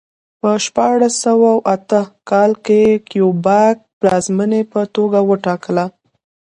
په شپاړس سوه اته کال کې کیوبک پلازمېنې په توګه وټاکله.